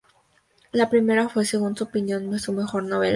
La primera fue, según su opinión, su mejor novela.